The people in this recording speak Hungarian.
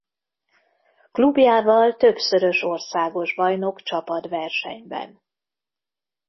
Klubjával többszörös országos bajnok csapatversenyben.